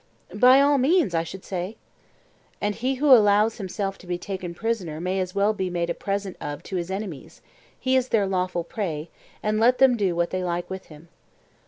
By all means, I should say. And he who allows himself to be taken prisoner may as well be made a present of to his enemies; he is their lawful prey, and let them do what they like with him.